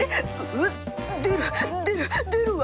うっ出る出る出るわ！